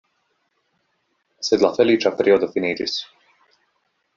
Sed la feliĉa periodo finiĝis.